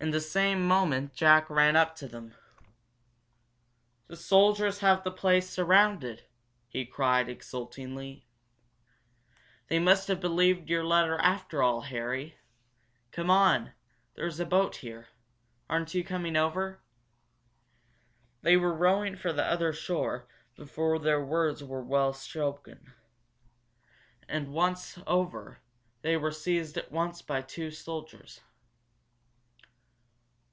In the same moment Jack ran up to them. "The soldiers have the place surrounded!" he cried, exultingly. "They must have believed your letter after all, Harry! Come on there's a boat here! Aren't you coming over?" They were rowing for the other shore before the words were well spoken. And, once over, they were seized at once by two soldiers.